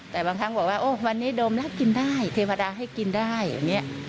แต่บางครั้งบอกว่าวันนี้ดมนะกินได้เทวดาให้กินได้